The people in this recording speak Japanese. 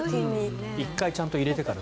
１回ちゃんと入れてから。